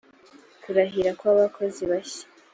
kurahira kw abakozi bashya